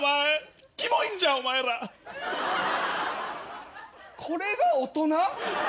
キモいんじゃお前ら。これが大人？